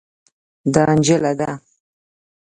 دا نجله ده.